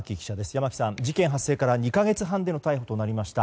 山木さん事件発生から２か月半での逮捕となりました。